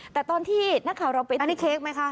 แต่ตอนที่นักข่าวเราไปอันนี้เค้กไหมคะ